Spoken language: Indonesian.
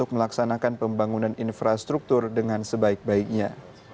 melaksanakan pembangunan infrastruktur dengan sebaik baiknya